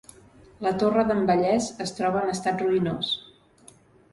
La torre d'en Vallès es troba en estat ruïnós.